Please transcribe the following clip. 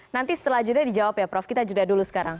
nanti setelah jeda dijawab ya prof kita jeda dulu sekarang